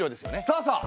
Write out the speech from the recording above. そうそう。